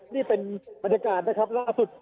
นี่เป็นบรรยากาศนะครับล่าสุด